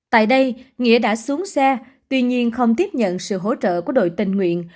tại đây nghĩa đã xuống xe tuy nhiên không tiếp nhận sự hỗ trợ của đội tình nguyện